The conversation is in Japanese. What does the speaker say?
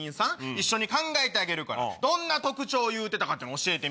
一緒に考えてあげるからどんな特徴を言うてたか教えて。